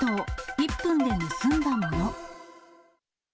１分で盗んだもの。